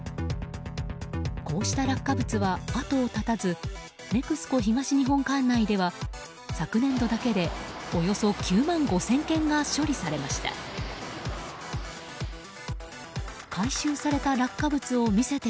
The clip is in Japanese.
こうした落下物は後を絶たずＮＥＸＣＯ東日本管内では昨年度だけでおよそ９万５０００件が処理されました。